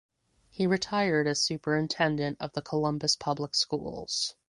He retired as superintendent of the Columbus public schools.